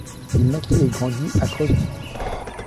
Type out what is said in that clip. Il naquit et grandit à Crosby.